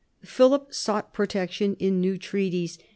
Philip sought protection in new treaties.